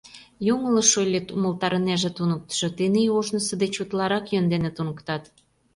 — Йоҥылыш ойлет, — умылтарынеже туныктышо, — тений ожнысо деч утларак йӧн дене туныктат.